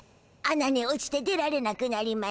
穴に落ちて出られなくなりましゅた。